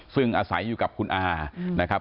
ซึ่งอาศัยอยู่กับคุณอานะครับ